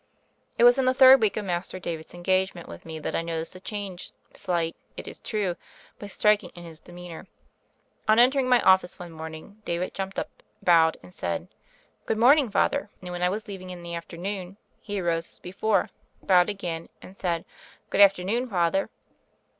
It was in the third week of Master David's engagement with me that I noticed a change, slight, it is true, but striking in his demeanoi. On entering my office one morning David jumped up, bowed, and said : "Good morning. Father." And when I was leaving in the afternoon, he arose as before, bowed again, and said: "Good afternoon, Father."